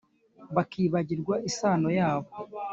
Bakibagirwa isano yabo